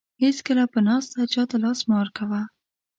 هیڅکله په ناسته چاته لاس مه ورکوه.